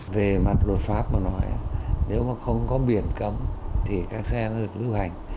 về mặt luật pháp mà nói nếu mà không có biển cấm thì các xe đã được lưu hành